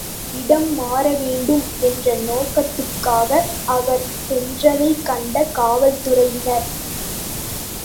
இடம் மாறவேண்டும் என்ற நோக்கத்துக்காக அவர் சென்றதைக் கண்ட காவல்துறையினர்.